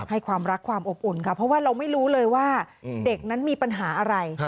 ความรักความอบอุ่นค่ะเพราะว่าเราไม่รู้เลยว่าเด็กนั้นมีปัญหาอะไร